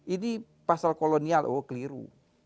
ini pasal kolonial oh keliru